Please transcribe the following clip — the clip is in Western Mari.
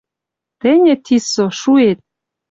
Тӹньӹ, Тиссо, шуэт